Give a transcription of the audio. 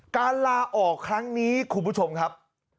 ลาออกครั้งนี้คุณผู้ชมครับ